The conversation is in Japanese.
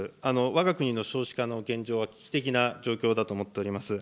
わが国の少子化の現状は危機的な状況だと思っております。